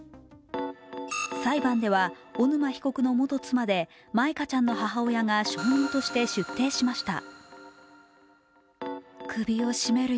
裁判では、小沼被告の元妻で舞香ちゃんの母親が証人として出廷しました。